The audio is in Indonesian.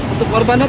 untuk korban dan